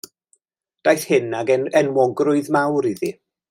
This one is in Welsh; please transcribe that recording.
Daeth hyn ag enwogrwydd mawr iddi.